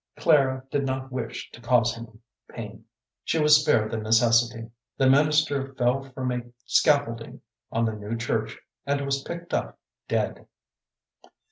Clara did not wish to cause him pain. She was spared the necessity. The minister fell from a scaffolding on the new church and was picked up dead.